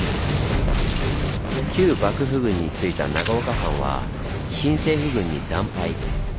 旧幕府軍についた長岡藩は新政府軍に惨敗。